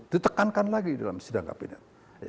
ditekankan lagi dalam sidang kabinet